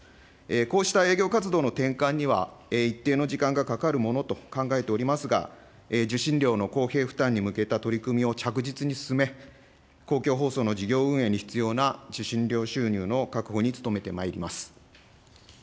こうした営業活動の転換には一定の時間がかかるものと考えておりますが、受信料の公平負担に向けた取り組みを着実に進め、公共放送の事業運営に必要な受信料収入の確保に努めてまいります。